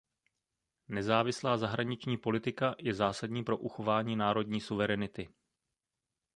Nezávislá zahraniční politika je zásadní pro uchování národní suverenity.